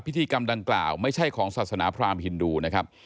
พิธีกรรมดังกล่าวไม่ใช่ของศาสนาพรามฮินดูนะครับ